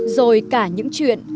rồi cả những chuyện